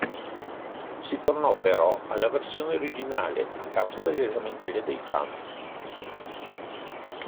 Si tornò però alla versione originale, a causa delle lamentele dei fan.